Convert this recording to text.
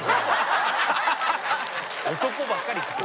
男ばっかりか。